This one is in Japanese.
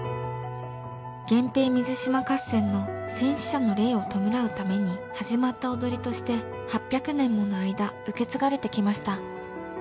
源平水島合戦の戦死者の霊を弔うために始まった踊りとして８００年もの間受け継がれてきました。